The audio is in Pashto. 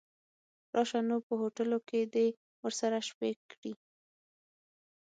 راشه نو په هوټلو کې دې ورسره شپې کړي.